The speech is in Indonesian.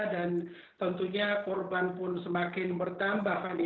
dan tentunya korban pun semakin bertambah fani